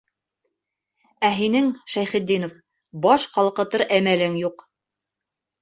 Ә һинең, Шәйхетдинов, баш ҡалҡытыр әмәлең юҡ.